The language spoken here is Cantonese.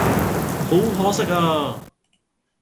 好可惜呀